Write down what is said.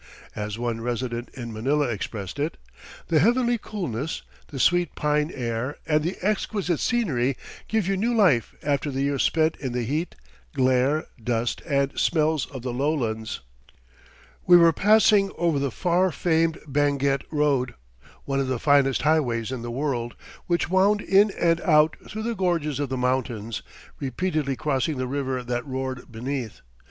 As one resident in Manila expressed it: "The heavenly coolness, the sweet pine air and the exquisite scenery give you new life after the years spent in the heat, glare, dust and smells of the lowlands." [Illustration: THE PARTY AT BAGUIO.] We were passing over the far famed Benguet Road, one of the finest highways in the world, which wound in and out through the gorges of the mountains, repeatedly crossing the river that roared beneath.